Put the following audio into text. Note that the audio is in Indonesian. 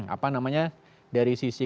apa namanya dari sisi